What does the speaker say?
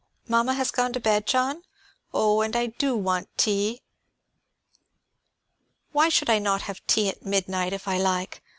"Mama has gone to bed, John? Oh, and I do want tea! Why should I not have tea at midnight, if I like?